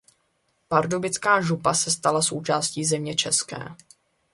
Pardubická župa se stala součástí Země České.